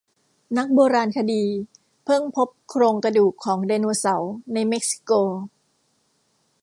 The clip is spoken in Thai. นักโบราณคดีเพิ่งพบโครงกระดูกของไดโนเสาร์ในเม็กซิโก